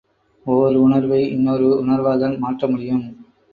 ஓர் உணர்வை இன்னொரு உணர்வால்தான் மாற்ற முடியும்.